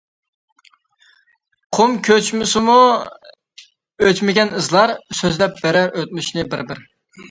قۇم كۆچسىمۇ ئۆچمىگەن ئىزلار، سۆزلەپ بېرەر ئۆتمۈشنى بىر-بىر.